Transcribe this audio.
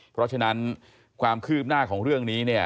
เพราะฉะนั้นความคืบหน้าของเรื่องนี้เนี่ย